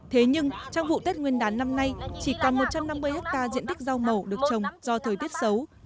thế nhưng trong vụ tết nguyên đán năm nay chỉ còn một trăm năm mươi hectare diện tích rau màu được trồng do thời tiết xấu